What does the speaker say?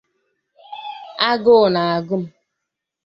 Agụ na-agụ mụ